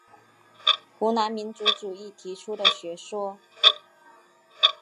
湖南民族主义提出的学说。